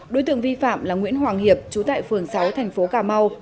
đối tượng vi phạm là nguyễn hoàng hiệp trú tại phường sáu thành phố cà mau